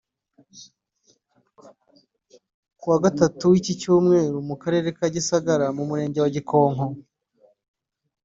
Kuwa Gatatu w’iki cyumweru mu karere ka Gisagara mu murenge wa Gikonko